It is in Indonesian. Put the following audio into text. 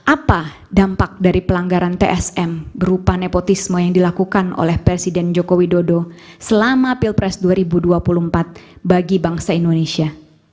apa dampak dari pelanggaran tsm berupa nepotisme yang dilakukan oleh presiden joko widodo selama pilpres dua ribu dua puluh empat bagi bangsa indonesia